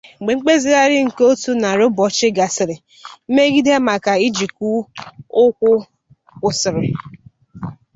Mgbe mmezigharị nke otu narị ụbọchị gasịrị, mmegide maka ijikọ ụkwụ kwụsịrị.